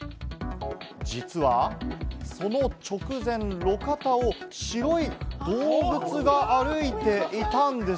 実はその直前、路肩を白い動物が歩いていたんです。